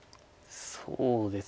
そうですね